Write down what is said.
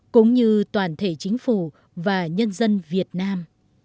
cũng như toàn thể chính phủ và nhân dân việt nam